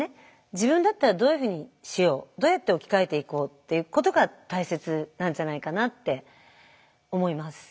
自分だったらどういうふうにしようどうやって置き換えていこうっていうことが大切なんじゃないかなって思います。